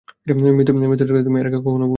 মৃত্যুর এত কাছে তুমি এর আগে কখনও পৌঁছাওনি।